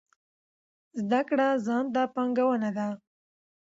زده کړه ځان ته پانګونه ده